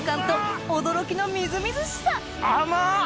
甘っ！